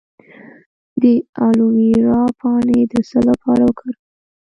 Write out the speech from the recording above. د الوویرا پاڼې د څه لپاره وکاروم؟